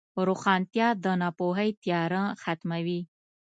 روښانتیا د ناپوهۍ تیاره ختموي.